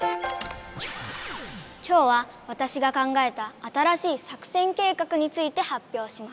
今日はわたしが考えた新しい作戦計画について発表します。